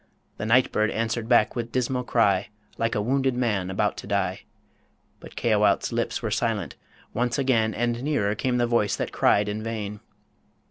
The night bird answered back with dismal cry, Like to a wounded man about to die But Caoilte's lips were silent ... Once again And nearer, came the voice that cried in vain.